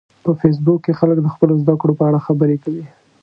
په فېسبوک کې خلک د خپلو زده کړو په اړه خبرې کوي